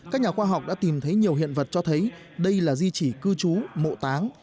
các nhà khoa học đã tìm thấy nhiều hiện vật cho thấy đây là di chỉ cư trú mộ táng